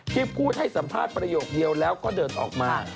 ที่พูดให้สัมภาษณ์ประโยคเดียวแล้วก็เดินออกมา